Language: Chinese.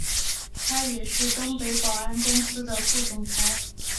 他也是东北保安公司的副总裁。